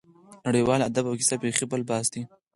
نړیوال ادب او کیسه بېخي بل بحث دی.